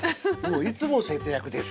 いつも節約です。